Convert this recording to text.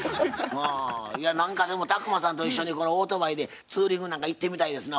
まあいや何かでも宅麻さんと一緒にオートバイでツーリングなんか行ってみたいですな